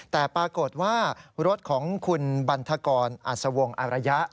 แต่ปรากฏว่ารถของคุณบันทกรอัศวงศ์อารยะ